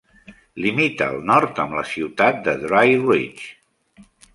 Limita al nord amb la ciutat de Dry Ridge.